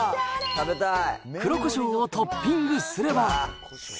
黒こしょうをトッピングすれば。